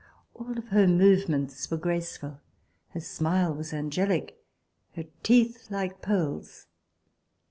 All of her movements were graceful; her smile was angelic; her teeth like pearls.